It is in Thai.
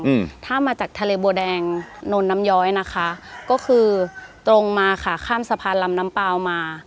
อืมถ้ามาจากทะเลบัวแดงนนน้ำย้อยนะคะก็คือตรงมาค่ะข้ามสะพานลำน้ำเปล่ามา